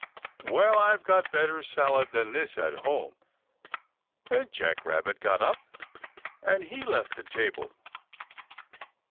Well, I've got better salad than this at home," and Jack Rabbit he got up and he left the table.